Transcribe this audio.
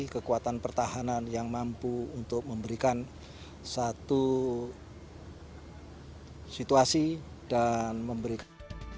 kekuatan pertahanan yang mampu untuk memberikan satu situasi dan memberikan